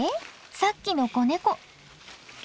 さっきの子ネコ。